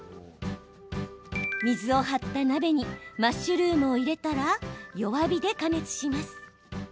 水を張った鍋にマッシュルームを入れたら弱火で加熱します。